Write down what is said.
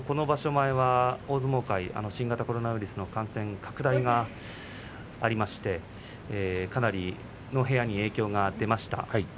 大相撲界は新型コロナウイルス感染拡大がありましてかなりの部屋に影響が出ました。